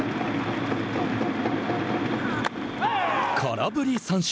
空振り三振。